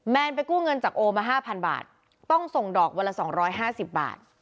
ไปกู้เงินจากโอมา๕๐๐บาทต้องส่งดอกวันละ๒๕๐บาท